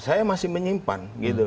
saya masih menyimpan